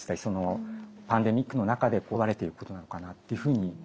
そのパンデミックの中で問われていることなのかなというふうに。